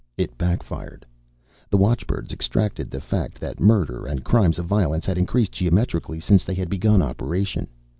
It backfired. The watchbirds extracted the fact that murder and crimes of violence had increased geometrically since they had begun operation.